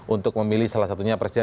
untuk memilih salah satunya presiden